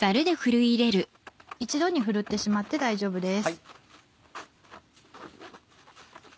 一度にふるってしまって大丈夫です。